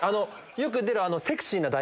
よく出る。